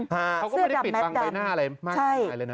เขาก็ไม่ได้ปิดบังใบหน้าอะไรมากมายเลยนะ